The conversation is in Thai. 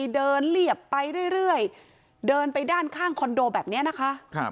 เหลียบไปเรื่อยเดินไปด้านข้างคอนโดแบบนี้นะคะ